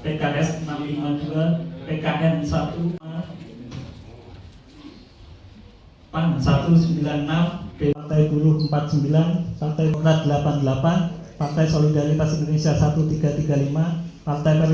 pada tiga belas pks enam ratus lima puluh dua pkn lima belas pan satu ratus sembilan puluh enam pantai seribu empat puluh sembilan pantai empat ratus delapan puluh delapan pantai solidaritas indonesia seribu tiga ratus tiga puluh lima pantai peringkatan indonesia raya